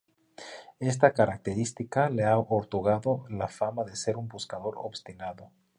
Esta característica le ha otorgado la fama de ser un buscador obstinado.